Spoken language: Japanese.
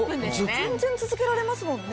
全然続けられますもんね。